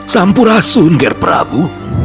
sampurasun ger prabu